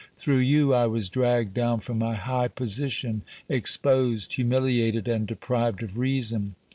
Through you I was dragged down from my high position, exposed, humiliated and deprived of reason.